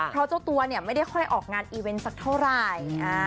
เพราะเจ้าตัวเนี่ยไม่ได้ค่อยออกงานอีเวนต์สักเท่าไหร่